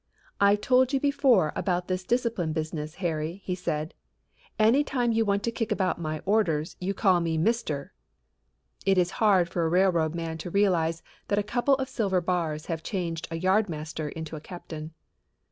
"I've told you before about this discipline business, Harry," he said. "Any time you want to kick about my orders you call me mister." It is hard for a railroad man to realize that a couple of silver bars have changed a yardmaster into a captain.